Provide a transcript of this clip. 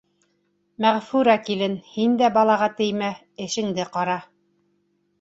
Мәғфүрә килен, һин дә балаға теймә, эшеңде ҡара.